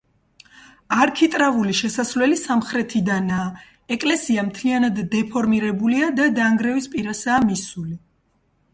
არქიტრავული შესასვლელი სამხრეთიდანაა, ეკლესია მთლიანად დეფორმირებულია და დანგრევის პირასაა მისული.